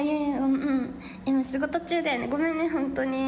今、仕事中だよね、ごめんね、本当に。